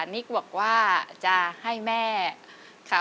นิกบอกว่าจะให้แม่ค่ะ